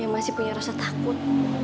yang masih punya rasa takut